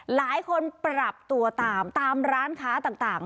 ปรับตัวตามตามร้านค้าต่าง